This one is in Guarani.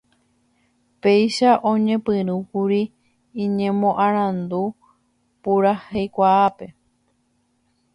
Péicha oñepyrũkuri iñemoarandu puraheikuaápe.